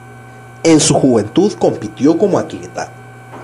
En su juventud compitió como atleta.